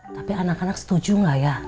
tapi anak anak setuju nggak ya